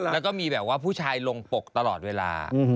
แล้วก็มีแบบว่าผู้ชายลงปกตลอดเวลา